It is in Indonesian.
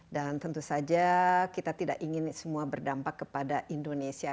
dan tentu saja kita tidak ingin semua berdampak kepada indonesia